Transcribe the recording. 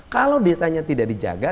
kalau desanya tidak dijaga